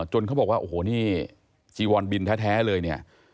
จนเขาบอกว่าโอ้โหนี่จีวอนบิลแท้เลย